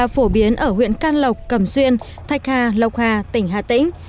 phổ biến ở huyện can lộc cầm xuyên thạch hà lộc hà tỉnh hà tĩnh